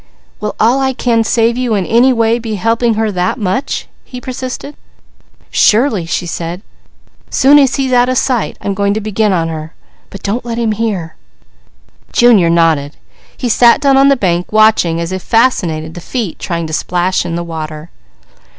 "Will all I can save you in any way be helping her that much?" he persisted. "Surely!" she said. "Soon as he's out of sight, I'm going to begin on her. But don't let them hear!" Junior nodded. He sat down on the bank watching as if fascinated the feet trying to splash in the water.